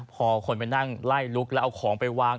พอคนไปนั่งไล่ลุกแล้วเอาของไปวาง